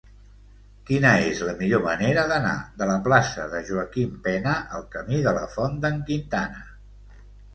Quina és la millor manera d'anar de la plaça de Joaquim Pena al camí de la Font d'en Quintana?